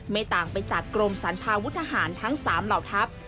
ไม่ต่างไปจากกรมสรรพาวุฒหารทั้ง๓เหล่าทัพ